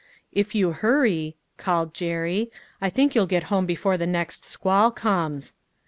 " If you hurry," called Jerry, " I think you'll get home before the next squall comes."